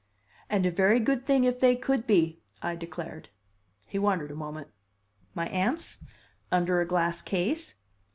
"And a very good thing if they could be," I declared. He wondered a moment. "My aunts? Under a glass case?"